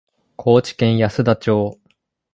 高知県安田町